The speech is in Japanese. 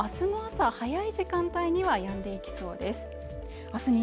この雨はあす朝早い時間帯にはやんできそうです